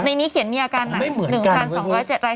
ในนี้เขียนมีอาการหนัก๑๒๐๗ราย